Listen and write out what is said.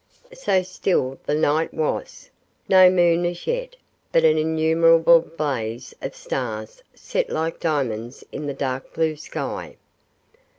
So still the night was. No moon as yet, but an innumerable blaze of stars set like diamonds in the dark blue sky.